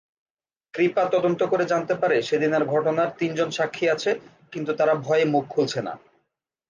কৃপা তদন্ত করে জানতে পারে সেদিনের ঘটনার তিনজন সাক্ষী আছে কিন্তু তারা ভয়ে মুখ খুলছেনা।